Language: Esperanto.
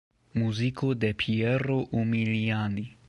Muziko de Piero Umiliani.